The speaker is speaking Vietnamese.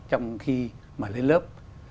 trong khi mà lên lớp